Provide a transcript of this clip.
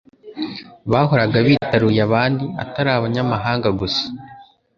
bahoraga bitaruye abandi, atari abanyamahanga gusa